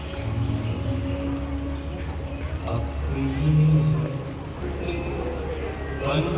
สวัสดีครับสวัสดีครับ